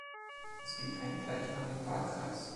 Es gibt einen gleichnamigen Wahlkreis.